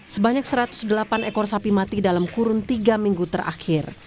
sebanyak satu ratus delapan ekor sapi mati dalam kurun tiga minggu terakhir